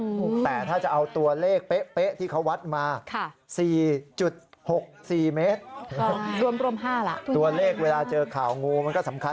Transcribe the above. ใช่หรือขาลทั้งเลขที่บ้านด้วยบอกว่าแล้วใช่มั้ยคะ